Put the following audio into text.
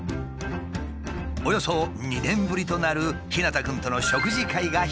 およそ２年ぶりとなる太陽くんとの食事会が開かれた。